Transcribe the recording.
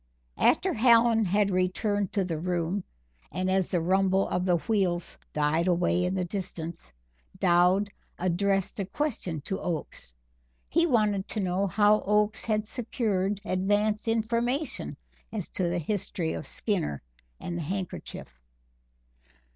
After Hallen had returned to the room, and as the rumble of the wheels died away in the distance, Dowd addressed a question to Oakes. He wanted to know how Oakes had secured advance information as to the history of Skinner and the handkerchief.